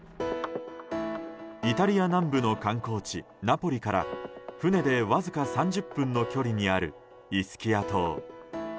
イタリア南部の観光地ナポリから船でわずか３０分の距離にあるイスキア島。